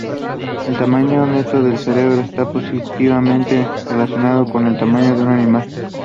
El tamaño neto del cerebro esta positivamente relacionado con el tamaño de un animal.